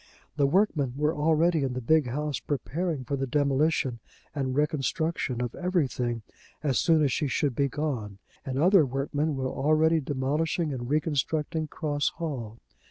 The workmen were already in the big house preparing for the demolition and reconstruction of everything as soon as she should be gone; and other workmen were already demolishing and reconstructing Cross Hall.